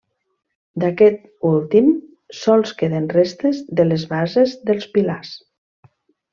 D'aquest últim sols queden restes de les bases dels pilars.